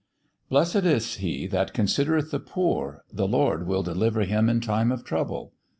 Blessed is he that considereth the poor: the Lord will deliver him in time of trouble.